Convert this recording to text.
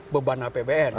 beban apbn ya